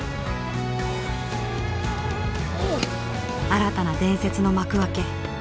新たな伝説の幕開け。